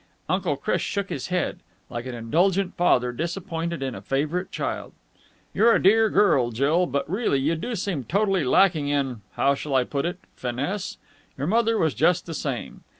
Uncle Chris shook his head, like an indulgent father disappointed in a favourite child. "You're a dear girl, Jill, but really you do seem totally lacking in ... how shall I put it? finesse. Your mother was just the same.